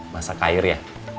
masak air ya